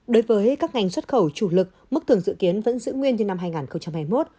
đối với các ngành xuất khẩu chủ lực mức thưởng dự kiến vẫn giữ nguyên như năm hai nghìn hai mươi một